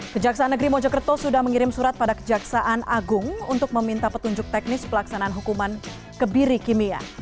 kejaksaan negeri mojokerto sudah mengirim surat pada kejaksaan agung untuk meminta petunjuk teknis pelaksanaan hukuman kebiri kimia